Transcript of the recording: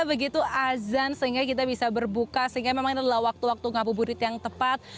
begitu azan sehingga kita bisa berbuka sehingga memang ini adalah waktu waktu ngabuburit yang tepat